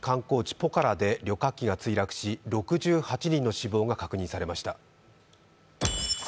ポカラで旅客機が墜落し、６８人の死亡が確認されました。